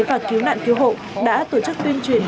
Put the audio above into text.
và cứu nạn cứu hộ đã tổ chức tuyên truyền